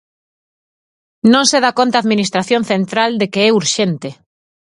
Non se dá conta a Administración central de que é urxente.